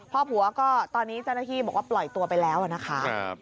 พ่อผัวก็ตอนนี้เจ้าหน้าที่บอกว่าปล่อยตัวไปแล้วนะคะ